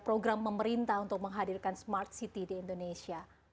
program pemerintah untuk menghadirkan smart city di indonesia